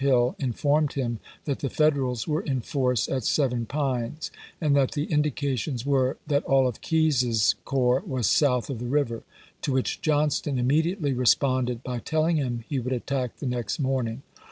Hill informed him that the Federals May, 1862. were in force at Seven Pines, and that the indi cations were that all of Keyes's corps was south of the river; to which Johnston immediately re sponded by telling him he would attack the next morning.